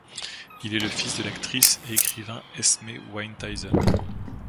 Il est le fils de l'actrice et écrivain Esmé Wynne-Tyson.